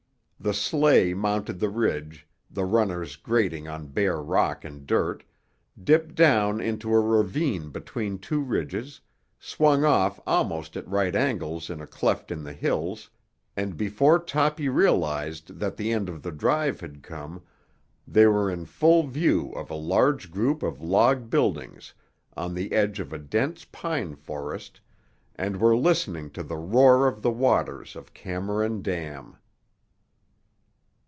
The sleigh mounted the ridge, the runners grating on bare rock and dirt, dipped down into a ravine between two ridges, swung off almost at right angles in a cleft in the hills—and before Toppy realised that the end of the drive had come, they were in full view of a large group of log buildings on the edge of a dense pine forest and were listening to the roar of the waters of Cameron Dam.